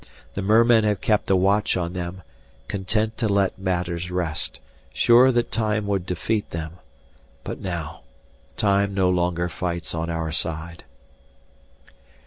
The mermen have kept a watch on them, content to let matters rest, sure that time would defeat them. But now, time no longer fights on our side."